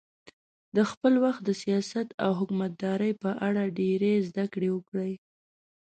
د خپل وخت د سیاست او حکومتدارۍ په اړه ډېرې زده کړې وکړې.